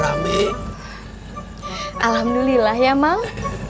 alhamdulillah ya mang